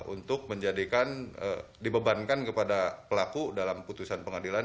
untuk menjadikan dibebankan kepada pelaku dalam putusan pengadilan